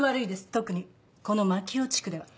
特にこの槙尾地区では。